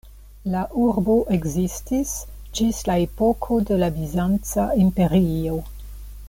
La urbo ekzistis ĝis la epoko de la Bizanca Imperio.